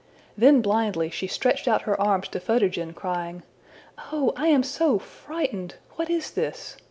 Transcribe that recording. Then blindly she stretched out her arms to Photogen, crying, ``Oh, I am so frightened! What is this?